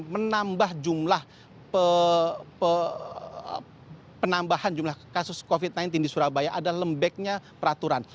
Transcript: menambah jumlah penambahan jumlah kasus covid sembilan belas di surabaya adalah lembeknya peraturan